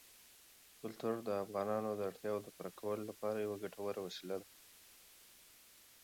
کلتور د افغانانو د اړتیاوو د پوره کولو لپاره یوه ګټوره وسیله ده.